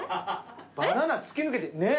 バナナ突き抜けてねぇ。